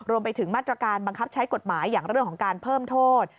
รวมไปถึงมาตรการบังคับใช้กฎหมายอย่างเรื่องของการเพิ่มโทษ